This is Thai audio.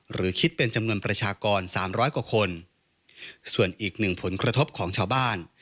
หรือคิดเป็นจำนวนประชากรสามร้อยกว่าคนส่วนอีกหนึ่งผลกระทบของชาวบ้าน